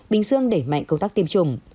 bình dương đẩy mạnh công tác tiêm chủng